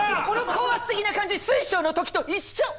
この高圧的な感じ水晶のときと一緒！